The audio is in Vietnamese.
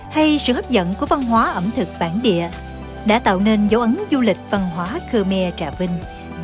hay sự hấp dẫn của văn hóa ẩm thực bản địa đã tạo nên dấu ấn du lịch văn hóa khmer trà vinh